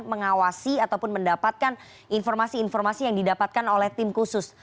mengawasi ataupun mendapatkan informasi informasi yang didapatkan oleh tim khusus